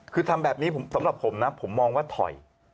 คือทำแบบนี้สำหรับผมนะผมมองว่าถอย